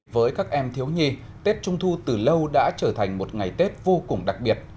với các em thiếu nhi tết trung thu từ lâu đã trở thành một ngày tết vô cùng đặc biệt